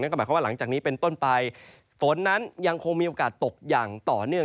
ก็หมายความว่าหลังจากนี้เป็นต้นไปฝนนั้นยังคงมีโอกาสตกอย่างต่อเนื่อง